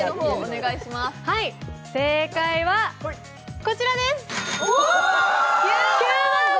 正解はこちらです！